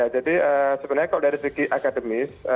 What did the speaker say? jadi sebenarnya kalau dari segi akademis